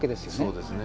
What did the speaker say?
そうですね。